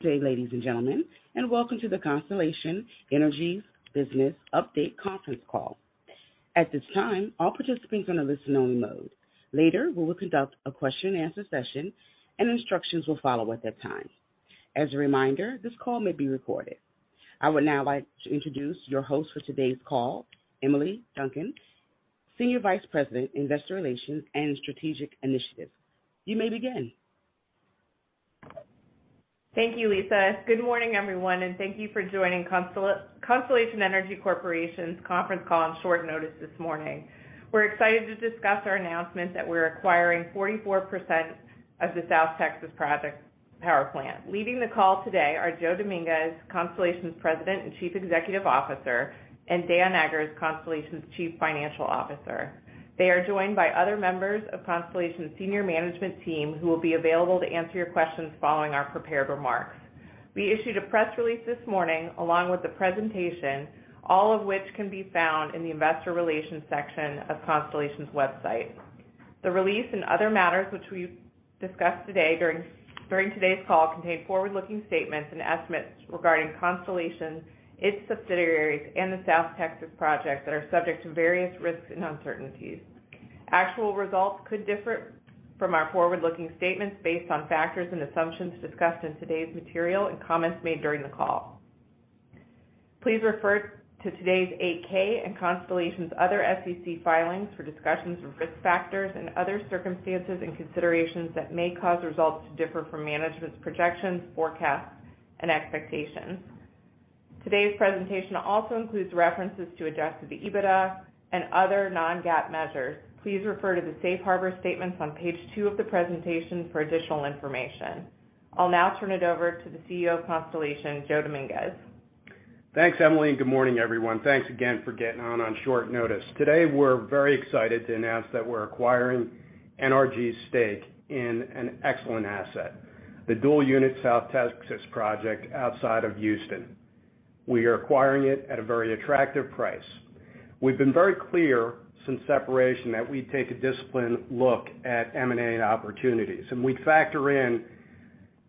Good day, ladies and gentlemen, welcome to the Constellation Energy business update conference call. At this time, all participants are in a listen-only mode. Later, we will conduct a question-and-answer session, and instructions will follow at that time. As a reminder, this call may be recorded. I would now like to introduce your host for today's call, Emily Duncan, Senior Vice President, Investor Relations and Strategic Initiatives. You may begin. Thank you, Lisa. Good morning, everyone, and thank you for joining Constellation Energy Corporation's conference call on short notice this morning. We're excited to discuss our announcement that we're acquiring 44% of the South Texas Project Power Plant. Leading the call today are Joe Dominguez, Constellation's President and Chief Executive Officer, and Dan Eggers, Constellation's Chief Financial Officer. They are joined by other members of Constellation's senior management team, who will be available to answer your questions following our prepared remarks. We issued a press release this morning, along with the presentation, all of which can be found in the Investor Relations section of Constellation's website. The release and other matters which we've discussed today during today's call contain forward-looking statements and estimates regarding Constellation, its subsidiaries, and the South Texas Project that are subject to various risks and uncertainties. Actual results could differ from our forward-looking statements based on factors and assumptions discussed in today's material and comments made during the call. Please refer to today's 8-K and Constellation's other SEC filings for discussions of Risk Factors and other circumstances and considerations that may cause results to differ from management's projections, forecasts, and expectations. Today's presentation also includes references to adjusted EBITDA and other non-GAAP measures. Please refer to the Safe Harbor Statements on Page 2 of the presentation for additional information. I'll now turn it over to the CEO of Constellation, Joe Dominguez. Thanks, Emily, and good morning, everyone. Thanks again for getting on short notice. Today, we're very excited to announce that we're acquiring NRG's stake in an excellent asset, the dual-unit South Texas Project outside of Houston. We are acquiring it at a very attractive price. We've been very clear since separation that we take a disciplined look at M&A opportunities. We factor in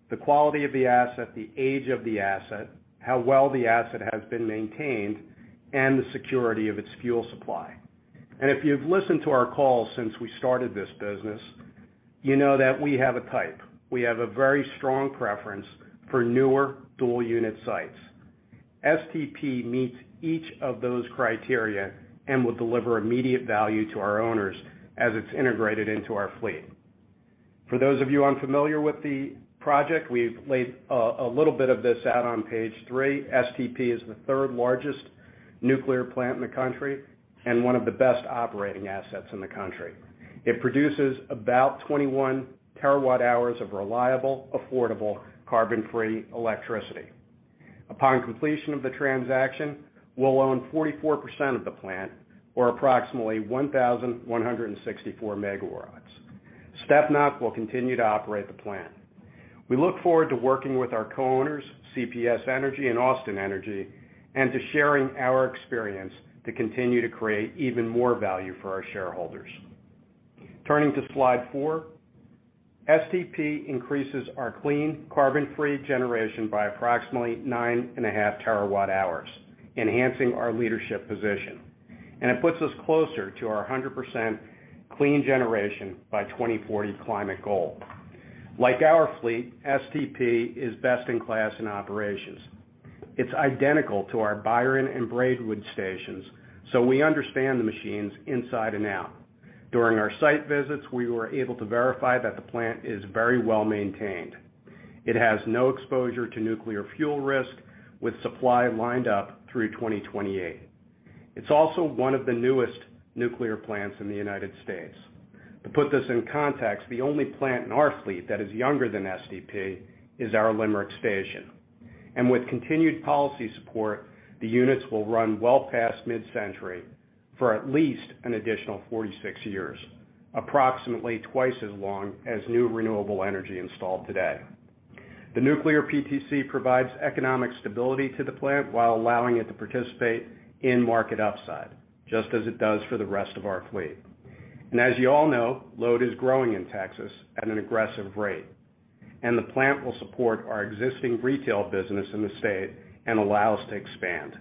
the quality of the asset, the age of the asset, how well the asset has been maintained, and the security of its fuel supply. If you've listened to our calls since we started this business, you know that we have a type. We have a very strong preference for newer dual-unit sites. STP meets each of those criteria and will deliver immediate value to our owners as it's integrated into our fleet. For those of you unfamiliar with the project, we've laid a little bit of this out on Page 3. STP is the third largest nuclear plant in the country and one of the best operating assets in the country. It produces about 21 TWh of reliable, affordable, carbon-free electricity. Upon completion of the transaction, we'll own 44% of the plant, or approximately 1,164 MW. STPNOC will continue to operate the plant. We look forward to working with our co-owners, CPS Energy and Austin Energy, and to sharing our experience to continue to create even more value for our shareholders. Turning to Slide 4, STP increases our clean, carbon-free generation by approximately 9.5 TWh, enhancing our leadership position. It puts us closer to our 100% clean generation by 2040 climate goal. Like our fleet, STP is best-in-class in operations. It's identical to our Byron and Braidwood stations. We understand the machines inside and out. During our site visits, we were able to verify that the plant is very well-maintained. It has no exposure to nuclear fuel risk, with supply lined up through 2028. It's also one of the newest nuclear plants in the United States. To put this in context, the only plant in our fleet that is younger than STP is our Limerick station. With continued policy support, the units will run well past mid-century for at least an additional 46 years, approximately twice as long as new renewable energy installed today. The nuclear PTC provides economic stability to the plant while allowing it to participate in market upside, just as it does for the rest of our fleet. As you all know, load is growing in Texas at an aggressive rate, and the plant will support our existing retail business in the state and allow us to expand.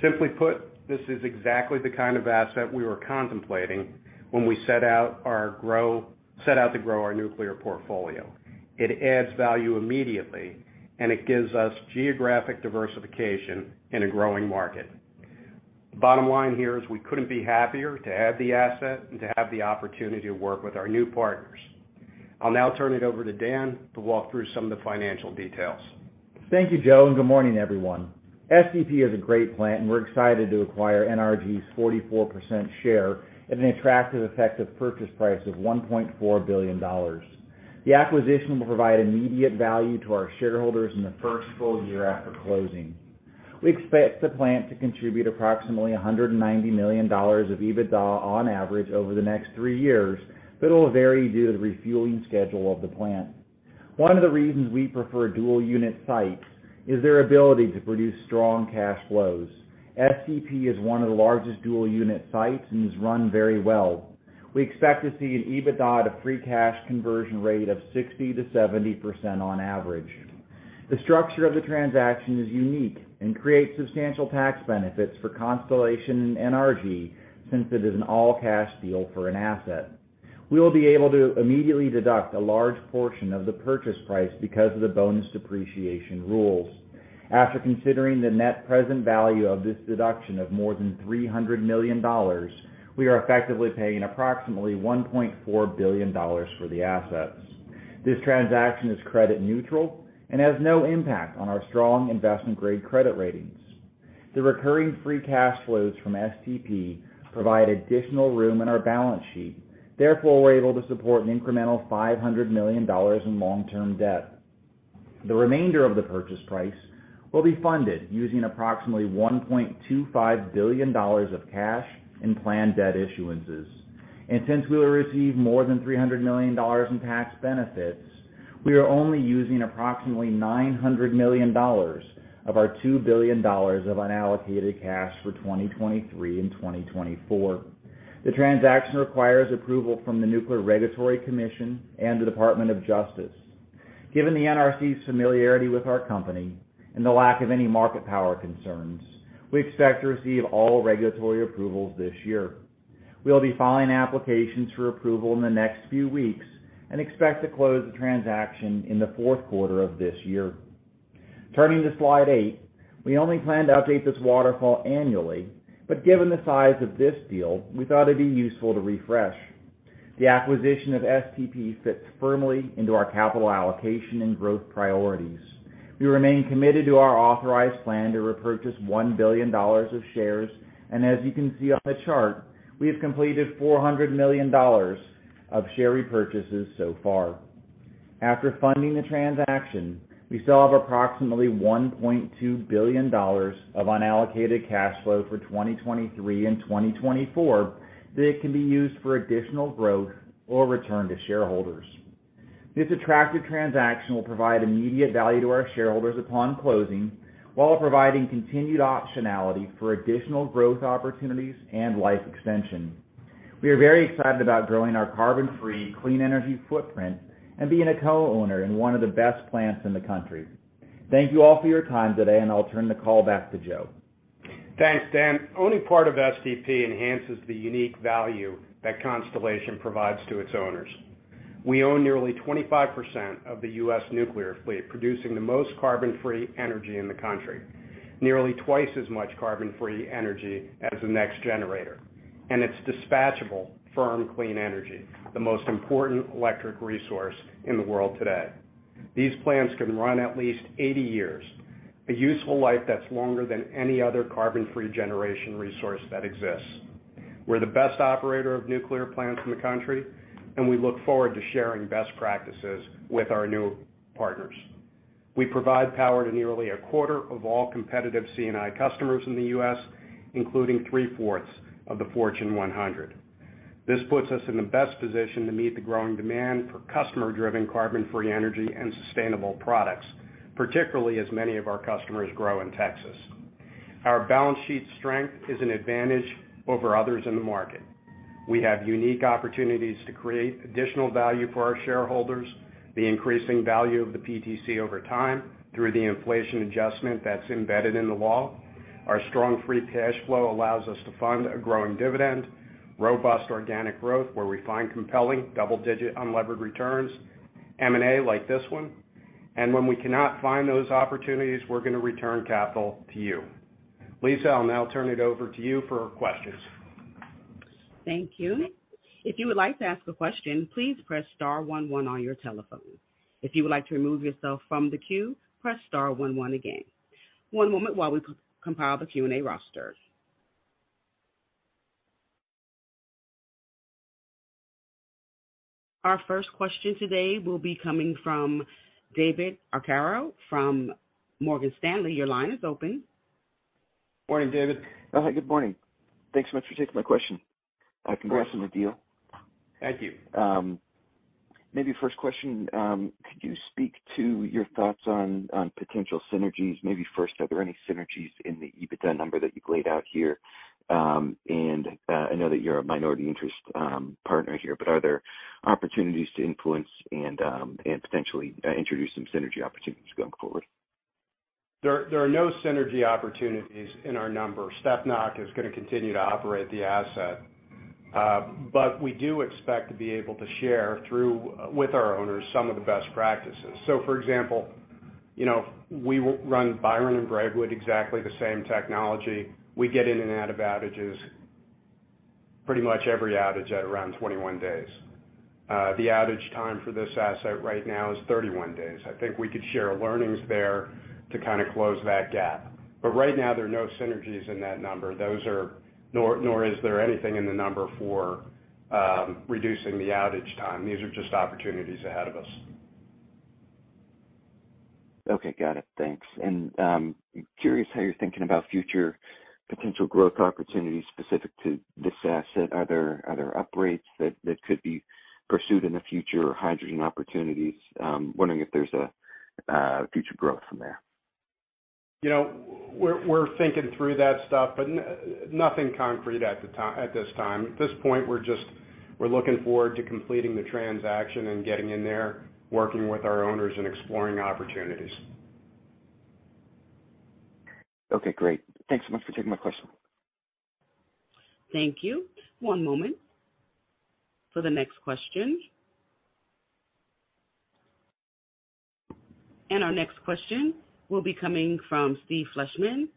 Simply put, this is exactly the kind of asset we were contemplating when we set out to grow our nuclear portfolio. It adds value immediately, and it gives us geographic diversification in a growing market. The bottom line here is we couldn't be happier to add the asset and to have the opportunity to work with our new partners. I'll now turn it over to Dan to walk through some of the financial details. Thank you, Joe, and good morning, everyone. STP is a great plant, and we're excited to acquire NRG's 44% share at an attractive effective purchase price of $1.4 billion. The acquisition will provide immediate value to our shareholders in the first full year after closing. We expect the plant to contribute approximately $190 million of EBITDA on average over the next three years, but it will vary due to the refueling schedule of the plant. One of the reasons we prefer dual-unit sites is their ability to produce strong cash flows. STP is one of the largest dual-unit sites and is run very well. We expect to see an EBITDA to free cash conversion rate of 60%-70% on average. The structure of the transaction is unique and creates substantial tax benefits for Constellation and NRG, since it is an all-cash deal for an asset. We will be able to immediately deduct a large portion of the purchase price because of the bonus depreciation rules. After considering the net present value of this deduction of more than $300 million, we are effectively paying approximately $1.4 billion for the assets. This transaction is credit neutral and has no impact on our strong investment-grade credit ratings. The recurring free cash flows from STP provide additional room in our balance sheet. Therefore, we're able to support an incremental $500 million in long-term debt. The remainder of the purchase price will be funded using approximately $1.25 billion of cash and planned debt issuances. Since we will receive more than $300 million in tax benefits, we are only using approximately $900 million of our $2 billion of unallocated cash for 2023 and 2024. The transaction requires approval from the Nuclear Regulatory Commission and the Department of Justice. Given the NRC's familiarity with our company and the lack of any market power concerns, we expect to receive all regulatory approvals this year. We'll be filing applications for approval in the next few weeks and expect to close the transaction in the fourth quarter of this year. Turning to Slide 8. We only plan to update this waterfall annually, but given the size of this deal, we thought it'd be useful to refresh. The acquisition of STP fits firmly into our capital allocation and growth priorities. We remain committed to our authorized plan to repurchase $1 billion of shares. As you can see on the chart, we have completed $400 million of share repurchases so far. After funding the transaction, we still have approximately $1.2 billion of unallocated cash flow for 2023 and 2024 that can be used for additional growth or returned to shareholders. This attractive transaction will provide immediate value to our shareholders upon closing, while providing continued optionality for additional growth opportunities and life extension. We are very excited about growing our carbon-free, clean energy footprint and being a co-owner in one of the best plants in the country. Thank you all for your time today. I'll turn the call back to Joe. Thanks, Dan. Owning part of STP enhances the unique value that Constellation provides to its owners. We own nearly 25% of the U.S. nuclear fleet, producing the most carbon-free energy in the country, nearly twice as much carbon-free energy as the next generator, it's dispatchable, firm, clean energy, the most important electric resource in the world today. These plants can run at least 80 years, a useful life that's longer than any other carbon-free generation resource that exists. We're the best operator of nuclear plants in the country, we look forward to sharing best practices with our new partners. We provide power to nearly a quarter of all competitive C&I customers in the U.S., including three-fourths of the Fortune 100. This puts us in the best position to meet the growing demand for customer-driven, carbon-free energy and sustainable products, particularly as many of our customers grow in Texas. Our balance sheet strength is an advantage over others in the market. We have unique opportunities to create additional value for our shareholders, the increasing value of the PTC over time through the inflation adjustment that's embedded in the law. Our strong free cash flow allows us to fund a growing dividend, robust organic growth, where we find compelling double-digit unlevered returns, M&A, like this one, and when we cannot find those opportunities, we're going to return capital to you. Lisa, I'll now turn it over to you for questions. Thank you. If you would like to ask a question, please press Star one one on your telephone. If you would like to remove yourself from the queue, press Star one one again. One moment while we co-compile the Q&A roster. Our first question today will be coming from David Arcaro from Morgan Stanley. Your line is open. Morning, David. Hi, good morning. Thanks so much for taking my question. Of course. Congratulations on the deal. Thank you. Maybe first question, could you speak to your thoughts on potential synergies? Maybe first, are there any synergies in the EBITDA number that you've laid out here? I know that you're a minority interest partner here, but are there opportunities to influence and potentially introduce some synergy opportunities going forward? There are no synergy opportunities in our numbers. STPNOC is going to continue to operate the asset, we do expect to be able to share through, with our owners some of the best practices. For example, you know, we run Byron and Braidwood, exactly the same technology. We get in and out of outages pretty much every outage at around 21 days. The outage time for this asset right now is 31 days. I think we could share learnings there to kind of close that gap. Right now, there are no synergies in that number. Nor is there anything in the number for reducing the outage time. These are just opportunities ahead of us. Okay, got it. Thanks. Curious how you're thinking about future potential growth opportunities specific to this asset. Are there upgrades that could be pursued in the future or hydrogen opportunities? Wondering if there's a future growth from there? You know, we're thinking through that stuff, but nothing concrete at the time, at this time. At this point, we're looking forward to completing the transaction and getting in there, working with our owners and exploring opportunities. Okay, great. Thanks so much for taking my question. Thank you. One moment for the next question. Our next question will be coming from Steve Fleishman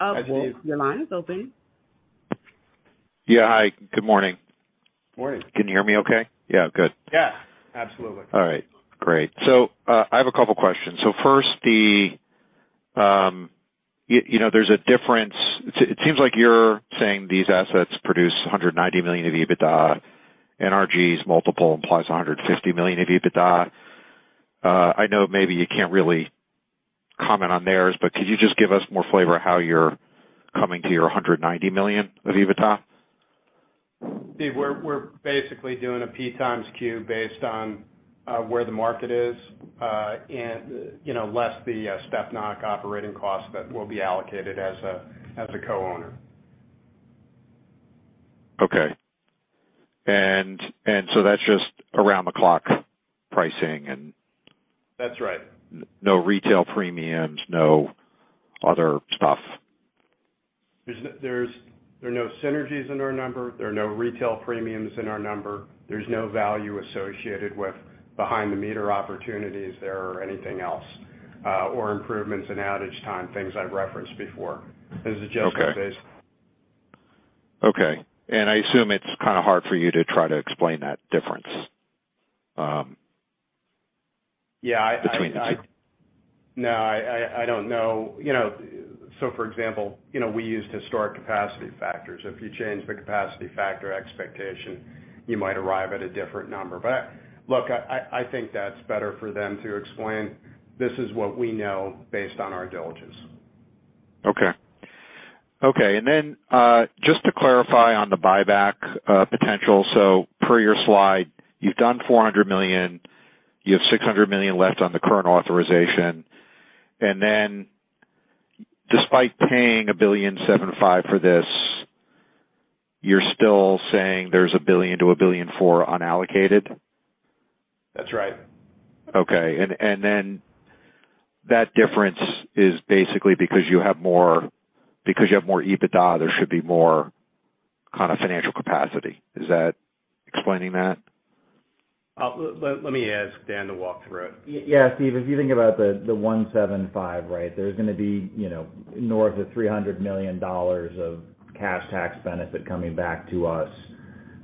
of- Hi, Steve. Your line is open. Yeah, hi, good morning. Morning. Can you hear me okay? Yeah, good. Yeah, absolutely. All right, great. I have a couple questions. First, you know, there's a difference, it seems like you're saying these assets produce $190 million of EBITDA, NRG's multiple implies $150 million of EBITDA. I know maybe you can't really comment on theirs, but could you just give us more flavor on how you're coming to your $190 million of EBITDA? Steve, we're basically doing a P times Q based on where the market is, and, you know, less the STPNOC operating costs that will be allocated as a, as a co-owner. Okay. That's just around the clock pricing. That's right. No retail premiums, no other stuff? There are no synergies in our number. There are no retail premiums in our number. There's no value associated with behind-the-meter opportunities there or anything else, or improvements in outage time, things I've referenced before. Okay. This is adjustment-based. Okay. I assume it's kind of hard for you to try to explain that difference. Yeah, I Between the two. No, I don't know. You know, for example, you know, we used historic capacity factors. If you change the capacity factor expectation, you might arrive at a different number. Look, I think that's better for them to explain. This is what we know based on our diligence. Okay. Okay, just to clarify on the buyback potential. Per your slide, you've done $400 million, you have $600 million left on the current authorization, despite paying $1.75 billion for this, you're still saying there's $1 billion-$1.4 billion unallocated? That's right. Okay. Then that difference is basically because you have more EBITDA, there should be more kind of financial capacity. Is that explaining that? Let me ask Dan to walk through it. Yeah, Steve, if you think about the $1.75 billion, right? There's going to be, you know, north of $300 million of cash tax benefit coming back to us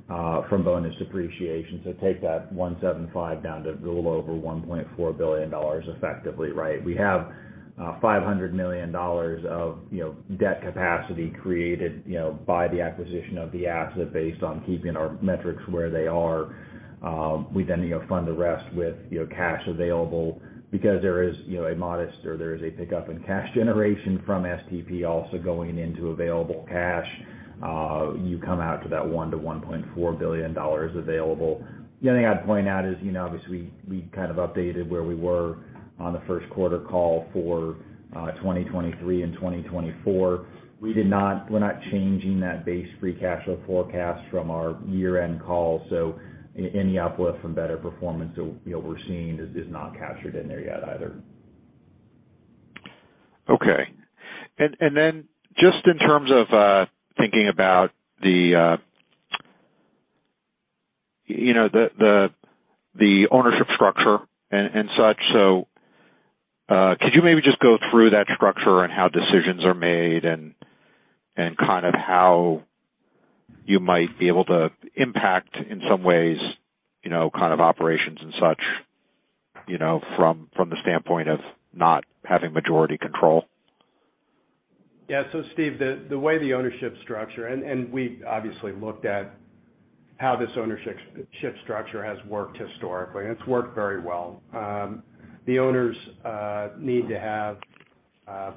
from bonus depreciation. Take that $1.75 billion down to a little over $1.4 billion effectively, right? We have $500 million of, you know, debt capacity created, you know, by the acquisition of the asset based on keeping our metrics where they are. We then, you know, fund the rest with, you know, cash available because there is, you know, a modest or there is a pickup in cash generation from STP also going into available cash. You come out to that $1 billion-$1.4 billion available. The other thing I'd point out is, you know, obviously, we kind of updated where we were on the first quarter call for 2023 and 2024. We're not changing that base free cash flow forecast from our year-end call, so any uplift from better performance that, you know, we're seeing is not captured in there yet either. Okay. Then just in terms of thinking about the, you know, the ownership structure and such, so, could you maybe just go through that structure and how decisions are made and kind of how you might be able to impact, in some ways, you know, kind of operations and such, you know, from the standpoint of not having majority control? Steve, the way the ownership structure, and we've obviously looked at how this ownership structure has worked historically, and it's worked very well. The owners need to have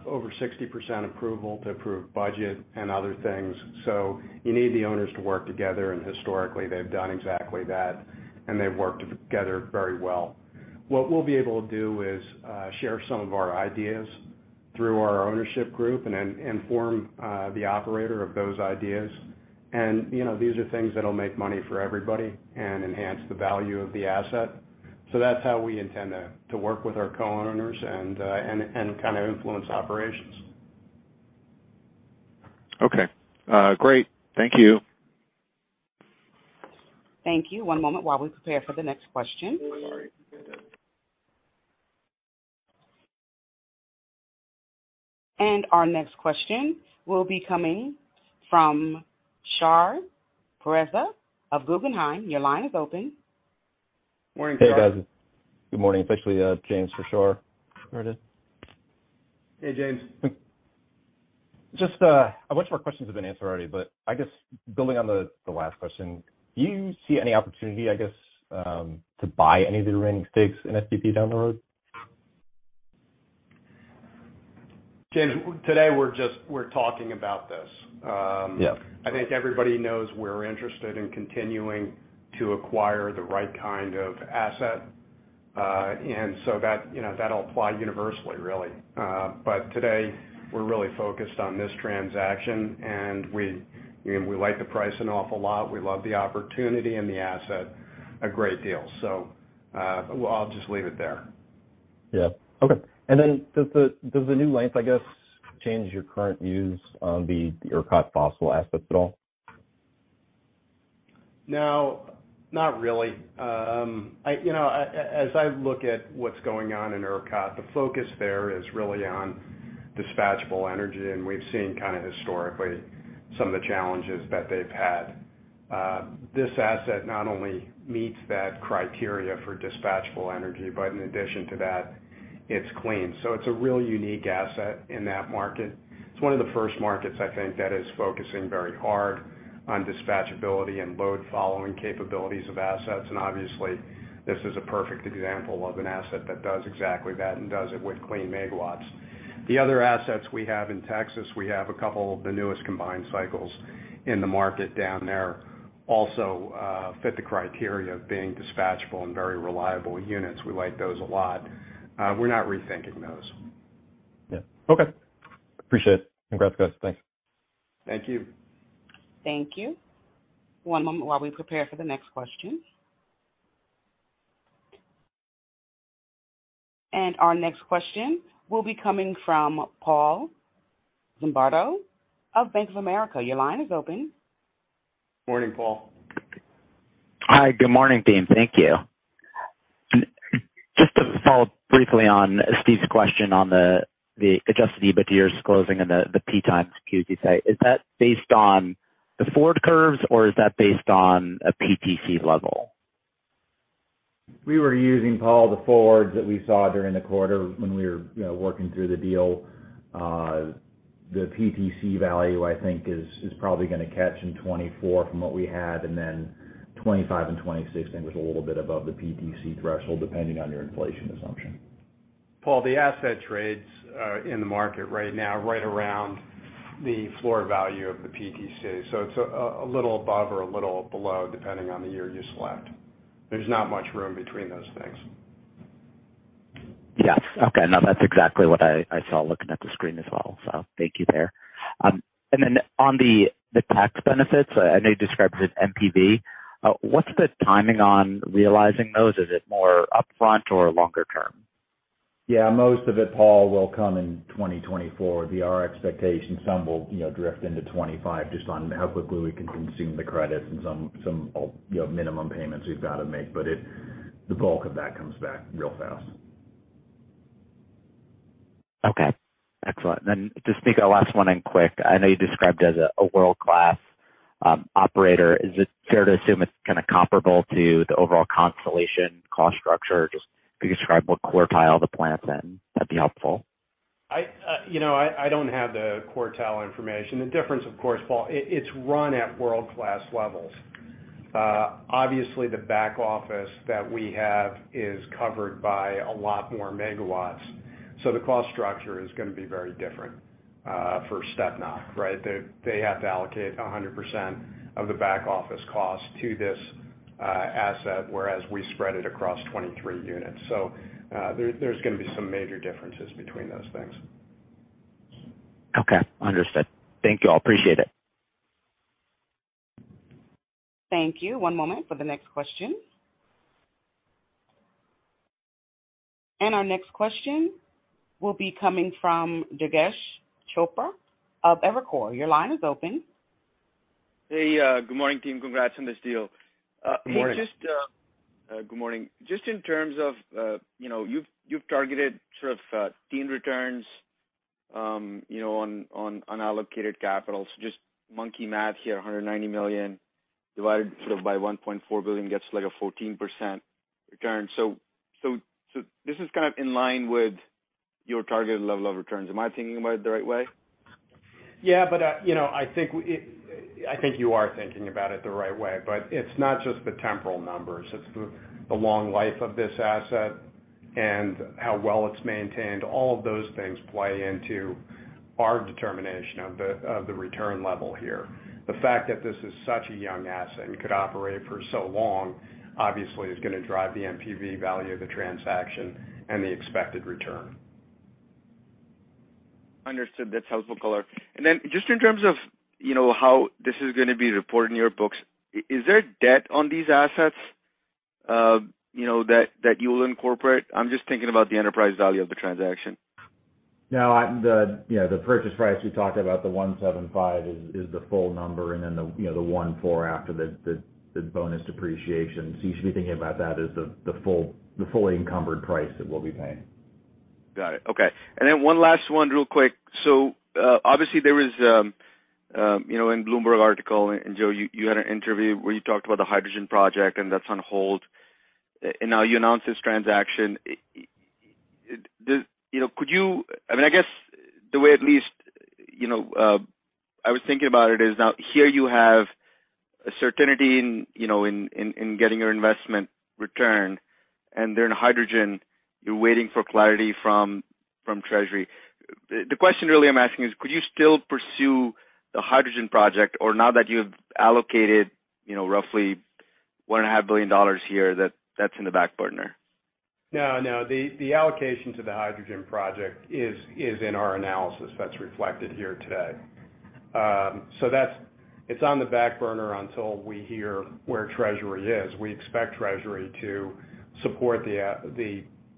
over 60% approval to approve budget and other things, you need the owners to work together, and historically, they've done exactly that, and they've worked together very well. What we'll be able to do is share some of our ideas through our ownership group inform the operator of those ideas. You know, these are things that'll make money for everybody and enhance the value of the asset. That's how we intend to work with our co-owners and kind of influence operations. Okay, great. Thank you. Thank you. One moment while we prepare for the next question. All right. Our next question will be coming from Shar Pourreza of Guggenheim. Your line is open. Morning, Shar. Hey, guys. Good morning. It's actually, James for Shar. Hey, James. Just, a bunch of our questions have been answered already, but I guess building on the last question, do you see any opportunity, I guess, to buy any of the remaining stakes in STP down the road? James, today, we're talking about this. Yeah. I think everybody knows we're interested to acquire the right kind of asset. That, you know, that'll apply universally, really. Today, we're really focused on this transaction, and we, I mean, we like the price an awful lot. We love the opportunity and the asset a great deal. Well, I'll just leave it there. Yeah. Okay. Does the, does the new length, I guess, change your current views on the ERCOT fossil assets at all? No, not really. I, you know, as I look at what's going on in ERCOT, the focus there is really on dispatchable energy, and we've seen kind of historically some of the challenges that they've had. This asset not only meets that criteria for dispatchable energy, but in addition to that, it's clean. It's a really unique asset in that market. It's one of the first markets, I think, that is focusing very hard on dispatchability and load-following capabilities of assets. Obviously, this is a perfect example of an asset that does exactly that and does it with clean megawatts. The other assets we have in Texas, we have a couple of the newest combined cycles in the market down there, also, fit the criteria of being dispatchable and very reliable units. We like those a lot. We're not rethinking those. Yeah. Okay. Appreciate it. Congrats, guys. Thanks. Thank you. Thank you. One moment while we prepare for the next question. Our next question will be coming from Paul Zimbardo of Bank of America. Your line is open. Morning, Paul. Hi, good morning, team. Thank you. Just to follow up briefly on Steve's question on the adjusted EBITDA you're disclosing and the P times Q, is that based on the forward curves, or is that based on a PTC level? We were using, Paul, the forwards that we saw during the quarter when we were, you know, working through the deal. The PTC value, I think, is probably gonna catch in 2024 from what we had, and then 2025 and 2026, I think, was a little bit above the PTC threshold, depending on your inflation assumption. Paul, the asset trades, in the market right now, right around the floor value of the PTC. It's a little above or a little below, depending on the year you select. There's not much room between those things. Yes. Okay. No, that's exactly what I saw looking at the screen as well, so thank you there. On the tax benefits, I know you described it as NPV. What's the timing on realizing those? Is it more upfront or longer term? Yeah, most of it, Paul, will come in 2024. Via our expectations, some will, you know, drift into 25, just on how quickly we can consume the credits and some, you know, minimum payments we've got to make. The bulk of that comes back real fast. Okay, excellent. Just maybe a last one in quick. I know you described it as a world-class operator. Is it fair to assume it's kind of comparable to the overall Constellation cost structure? Just if you describe what quartile the plant's in, that'd be helpful. I, you know, I don't have the quartile information. The difference, of course, Paul, it's run at world-class levels. Obviously, the back office that we have is covered by a lot more megawatts, so the cost structure is gonna be very different for STPNOC, right? They, they have to allocate 100% of the back office cost to this asset, whereas we spread it across 23 units. There, there's gonna be some major differences between those things. Okay, understood. Thank you all. Appreciate it. Thank you. One moment for the next question. Our next question will be coming from Durgesh Chopra of Evercore. Your line is open. Hey, good morning, team. Congrats on this deal. Good morning. Just good morning. Just in terms of, you know, you've targeted sort of teen returns, you know, on allocated capital. Just monkey math here, $190 million, divided sort of by $1.4 billion, gets like a 14% return. This is kind of in line with your targeted level of returns. Am I thinking about it the right way? Yeah, you know, I think you are thinking about it the right way, but it's not just the temporal numbers. It's the long life of this asset and how well it's maintained. All of those things play into our determination of the return level here. The fact that this is such a young asset and could operate for so long, obviously, is gonna drive the NPV value of the transaction and the expected return. Understood. That's helpful, color. Just in terms of, you know, how this is gonna be reported in your books, is there debt on these assets, you know, that you will incorporate? I'm just thinking about the enterprise value of the transaction. No, you know, the purchase price we talked about, the $175, is the full number, and then, you know, the $14 after the bonus depreciation. You should be thinking about that as the full, the fully encumbered price that we'll be paying. Got it. Okay. One last one, real quick. Obviously, there was, you know, in Bloomberg article, and Joe, you had an interview where you talked about the hydrogen project, and that's on hold. Now you announce this transaction. I mean, I guess the way at least, you know, I was thinking about it is now here you have a certainty in, you know, in getting your investment returned, and then in hydrogen, you're waiting for clarity from Treasury. The question really I'm asking is, could you still pursue the hydrogen project? Or now that you've allocated, you know, roughly $1.5 billion here, that's in the back burner? No, no. The allocation to the hydrogen project is in our analysis that's reflected here today. It's on the back burner until we hear where Treasury is. We expect Treasury to support the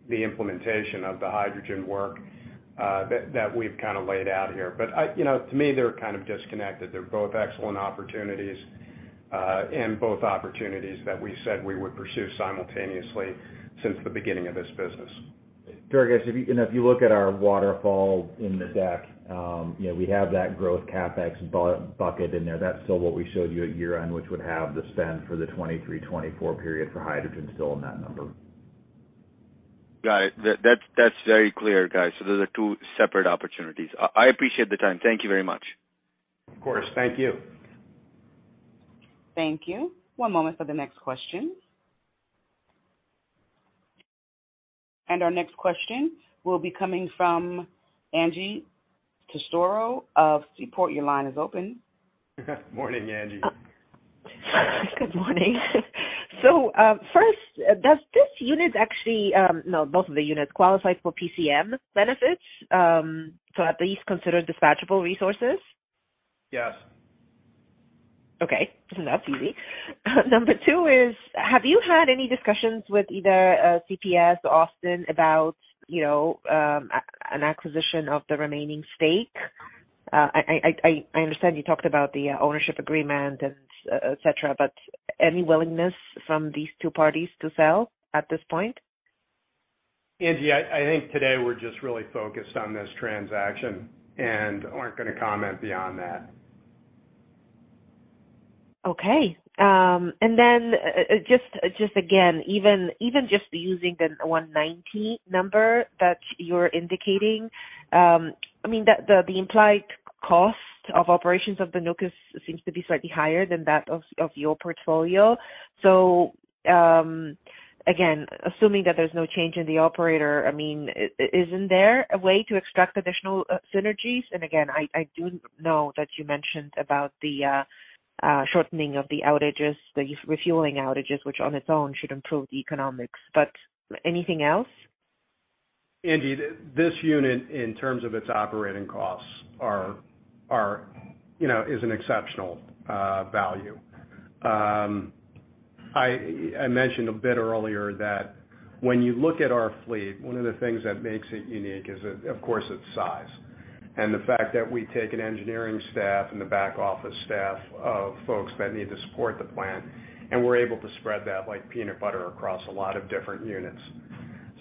implementation of the hydrogen work that we've kind of laid out here. You know, to me, they're kind of disconnected. They're both excellent opportunities, both opportunities that we said we would pursue simultaneously since the beginning of this business. James, if, you know, if you look at our waterfall in the deck, you know, we have that growth CapEx bucket in there. That's still what we showed you at year-end, which would have the spend for the 2023, 2024 period for hydrogen still in that number. Got it. That's very clear, guys. Those are 2 separate opportunities. I appreciate the time. Thank you very much. Of course. Thank you. Thank you. One moment for the next question. Our next question will be coming from Angie Storozynski of Seaport. Your line is open. Morning, Angie. Good morning. First, does this unit actually, no, both of the units, qualify for PCM benefits, so at least considered dispatchable resources? Yes. Okay, that's easy. Number two is, have you had any discussions with either CPS or Austin about, you know, an acquisition of the remaining stake? I understand you talked about the ownership agreement and, et cetera, any willingness from these two parties to sell at this point? Angie, I think today we're just really focused on this transaction and aren't gonna comment beyond that. Okay. Then, just again, even just using the $190 number that you're indicating, I mean, the implied cost of operations of the nukes seems to be slightly higher than that of your portfolio. Again, assuming that there's no change in the operator, I mean, isn't there a way to extract additional synergies? Again, I do know that you mentioned about the shortening of the outages, the refueling outages, which on its own should improve the economics. Anything else? Angie, this unit, in terms of its operating costs, you know, is an exceptional value. I mentioned a bit earlier that when you look at our fleet, one of the things that makes it unique is, of course, its size, and the fact that we take an engineering staff and a back office staff of folks that need to support the plant, and we're able to spread that like peanut butter across a lot of different units.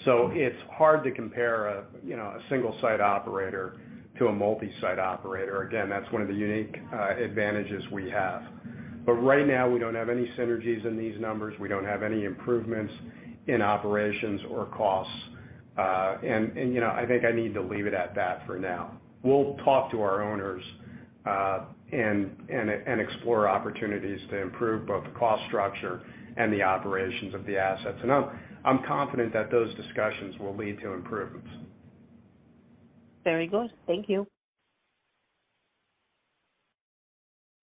It's hard to compare, you know, a single-site operator to a multi-site operator. Again, that's one of the unique advantages we have. Right now, we don't have any synergies in these numbers. We don't have any improvements in operations or costs. And, you know, I think I need to leave it at that for now. We'll talk to our owners, and explore opportunities to improve both the cost structure and the operations of the assets. I'm confident that those discussions will lead to improvements. Very good. Thank you.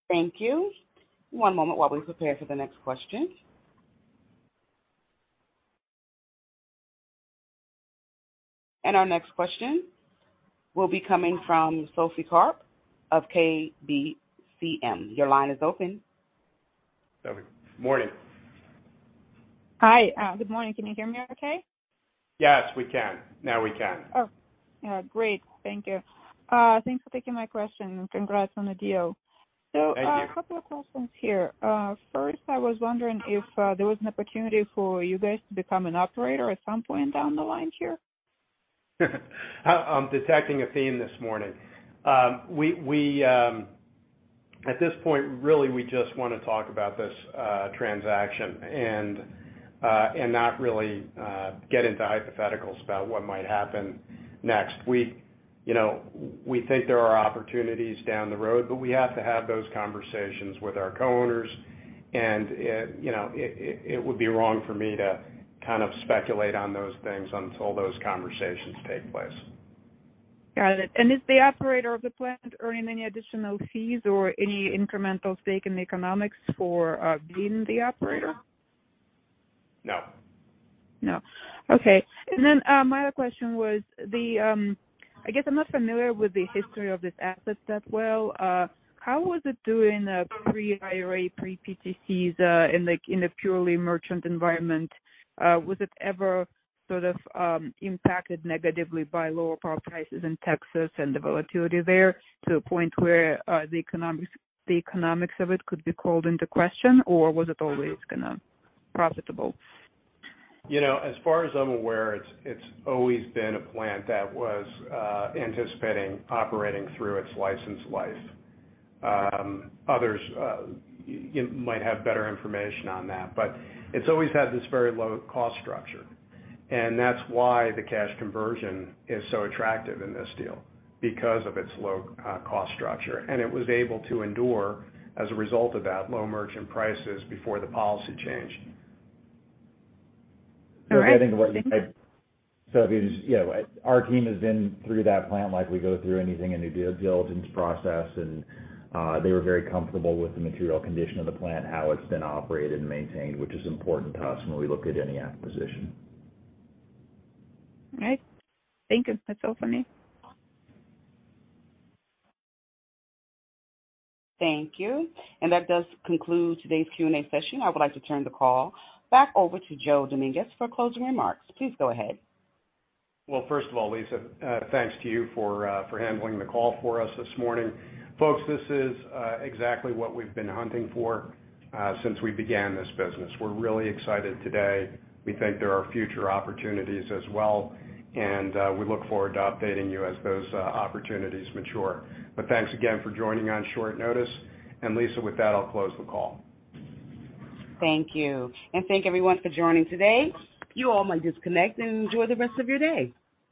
Thank you. One moment while we prepare for the next question. Our next question will be coming from Sophie Karp of KBCM. Your line is open. Morning. Hi, good morning. Can you hear me okay? Yes, we can. Now we can. Oh, great. Thank you. Thanks for taking my question, and congrats on the deal. Thank you. A couple of questions here. First, I was wondering if there was an opportunity for you guys to become an operator at some point down the line here? I'm detecting a theme this morning. We, at this point, really, we just wanna talk about this transaction and not really get into hypotheticals about what might happen next. We, you know, we think there are opportunities down the road, but we have to have those conversations with our co-owners, and, you know, it would be wrong for me to kind of speculate on those things until those conversations take place. Got it. Is the operator of the plant earning any additional fees or any incremental stake in the economics for being the operator? No. No. Okay. I guess I'm not familiar with the history of this asset that well. How was it doing pre-IRA, pre-PTCs, in like, in a purely merchant environment? Was it ever sort of impacted negatively by lower power prices in Texas and the volatility there, to a point where the economics of it could be called into question, or was it always gonna profitable? You know, as far as I'm aware, it's always been a plant that was anticipating operating through its licensed life. Others, you might have better information on that, but it's always had this very low cost structure, and that's why the cash conversion is so attractive in this deal, because of its low cost structure. It was able to endure, as a result of that, low merchant prices before the policy change. All right. You know, our team has been through that plant like we go through anything in a due diligence process, and they were very comfortable with the material condition of the plant, how it's been operated and maintained, which is important to us when we look at any acquisition. All right. Thank you. That's all for me. Thank you. That does conclude today's Q&A session. I would like to turn the call back over to Joe Dominguez for closing remarks. Please go ahead. Well, first of all, Lisa, thanks to you for handling the call for us this morning. Folks, this is exactly what we've been hunting for since we began this business. We're really excited today. We think there are future opportunities as well, and we look forward to updating you as those opportunities mature. Thanks again for joining on short notice. Lisa, with that, I'll close the call. Thank you, and thank everyone for joining today. You all may disconnect and enjoy the rest of your day.